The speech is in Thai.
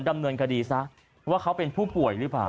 ทำไมลังเกียจผมอะไรประมาณนี้อ่ะค่ะ